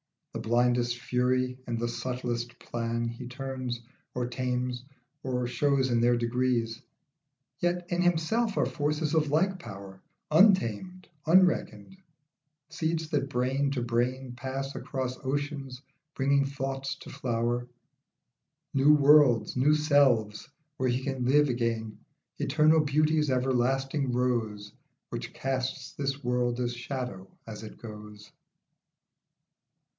The blindest fury and the subtlest plan He turns, or tames, or shows in their degrees. Yet in himself are forces of like power, Untamed, unreckoned; seeds that brain to brain Pass across oceans bringing thought to flower, New worlds, new selves, where he can live again Eternal beauty's everlasting rose Which casts this world as shadow as it goes.